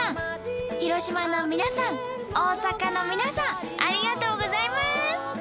広島の皆さん大阪の皆さんありがとうございます！